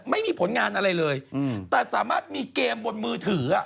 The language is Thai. ไม่มีผลงานอะไรเลยแต่สามารถมีเกมบนมือถืออ่ะ